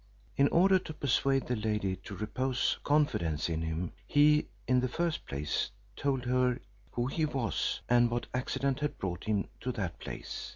In order to persuade the lady to repose confidence in him, he, in the first place, told her who he was, and what accident had brought him to that place.